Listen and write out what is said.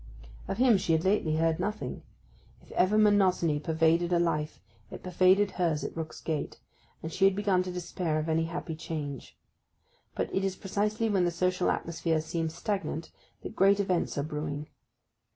Of him she had lately heard nothing. If ever monotony pervaded a life it pervaded hers at Rook's Gate; and she had begun to despair of any happy change. But it is precisely when the social atmosphere seems stagnant that great events are brewing.